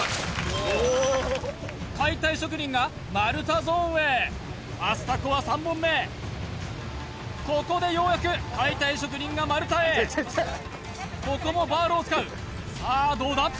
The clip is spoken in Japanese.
解体職人が丸太ゾーンへアスタコは３本目ここでようやく解体職人が丸太へここもバールを使うさあどうだ？